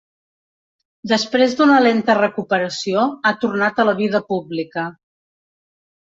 Després d'una lenta recuperació, ha tornat a la vida pública.